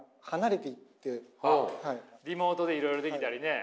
リモートでいろいろできたりね。